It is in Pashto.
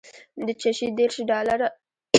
د چشي دېرش ډالره.